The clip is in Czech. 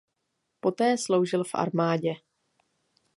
Poté sloužil v armádě.